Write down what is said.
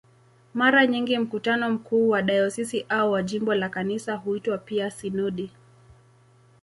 Mara nyingi mkutano mkuu wa dayosisi au wa jimbo la Kanisa huitwa pia "sinodi".